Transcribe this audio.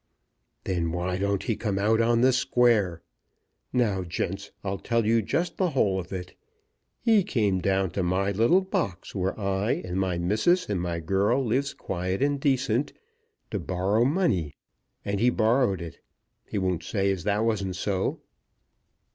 "Then why don't he come out on the square? Now, gents, I'll tell you just the whole of it. He came down to my little box, where I, and my missus, and my girl lives quiet and decent, to borrow money; and he borrowed it. He won't say as that wasn't so."